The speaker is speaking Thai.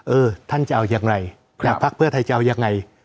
เออท่านจะเอายังไงครับพรรคเพื่อไทยจะเอายังไง